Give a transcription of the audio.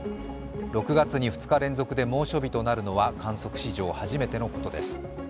６月に２日連続で猛暑日となるのは観測史上初めてのことです。